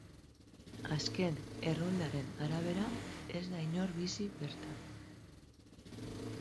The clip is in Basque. Azken erroldaren arabera ez da inor bizi bertan.